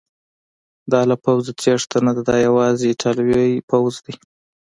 دا له پوځه تیښته نه ده، دا یوازې ایټالوي پوځ دی.